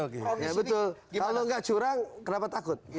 kalau nggak curang kenapa takut